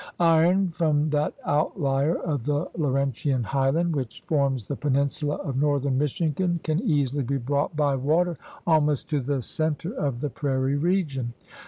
Iron from that outlier of the Laurentian highland which GEOGRAPHIC PROVINCES 73 forms the peninsula of northern Michigan can easily be brought by water almost to the center of the prairie region.